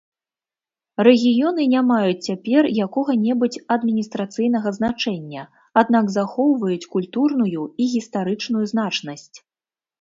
Рэгіёны не маюць цяпер якога-небудзь адміністрацыйнага значэння, аднак захоўваюць культурную і гістарычную значнасць.